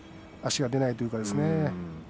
足が出ないというかですね。